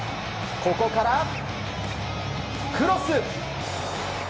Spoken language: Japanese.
ここから、クロス！